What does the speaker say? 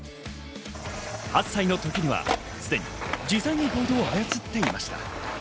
８歳の時には、すでに自在にボードを操っていました。